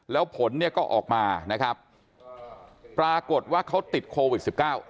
แล้วผลก็ออกมาปรากฏว่าเขาติดโควิด๑๙